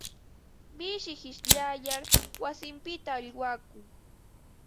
Mishi qishyayar wasinpita aywakun.